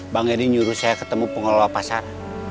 bang edi nyuruh saya ketemu pengelola pasar